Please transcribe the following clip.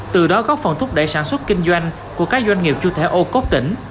từ đó góp phần thúc đẩy sản xuất kinh doanh của các doanh nghiệp chủ thể ô cốt tỉnh